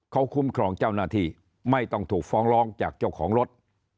เขาคุ้มครองเจ้าหน้าที่ไม่ต้องถูกฟ้องร้องจากเจ้าของรถ